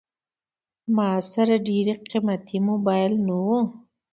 ما سره ډېر قیمتي موبایل نه و.